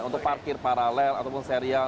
untuk parkir paralel ataupun serial